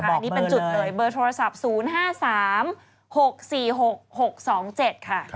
อันนี้เป็นจุดเลยเบอร์โทรศัพท์๐๕๓๖๔๖๖๒๗ค่ะ